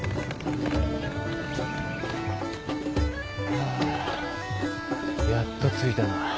ハァやっと着いたな。